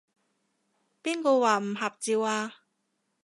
邊個話唔合照啊？